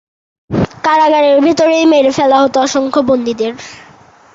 কারাগারের ভিতরেই মেরে ফেলা হত অসংখ্য বন্দীদের।